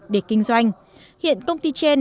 để kinh doanh hiện công ty trên